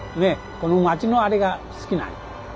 この街のあれが好きなんよ。